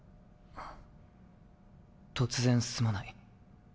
突然すまない。